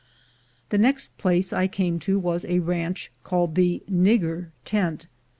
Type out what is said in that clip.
The next place I came to was a ranch called the "Nigger Tent."